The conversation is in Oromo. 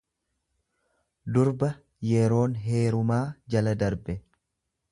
durba yeroon heerumaa jala darbe.